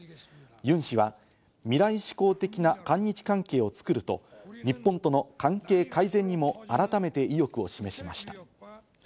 ユン氏は未来志向的な韓日関係を作ると、日本との関係改善にも改めて意欲を示しました。